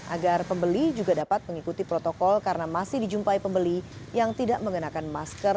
agar pembeli juga dapat mengikuti protokol karena masih dijumpai pembeli yang tidak mengenakan masker